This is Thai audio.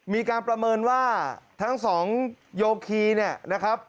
มีการประเมินว่าทั้งสองโยคีเนี่ยนะครับ